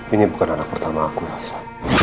ini bukan anak pertama aku rasa